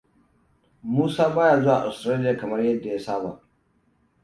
Musa baya zuwa Ostraliya kamar yadda ya saba.